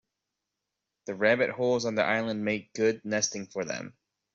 The rabbit holes on the island make good nesting for them.